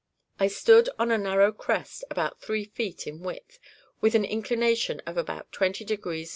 I stood on a narrow crest, about three feet in width, with an inclination of about 20° N.